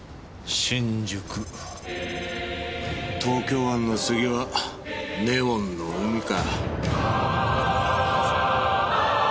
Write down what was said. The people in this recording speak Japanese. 東京湾の次はネオンの海か。